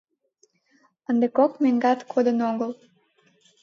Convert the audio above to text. Ынде кок меҥгат кодын огыл.